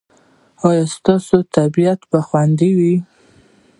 ایا ستاسو طبیعت به خوندي وي؟